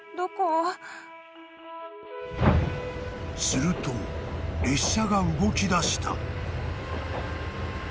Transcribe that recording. ［すると列車が動きだした］